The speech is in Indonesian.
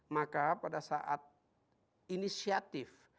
maka pada saat inisiatif